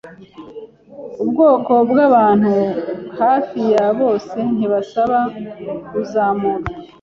Ubwoko bwabantu hafi ya bose ntibasaba kuzamurwa.